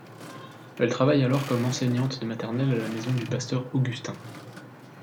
Elle travaille alors comme enseignante de maternelle à la maison du pasteur Augustin.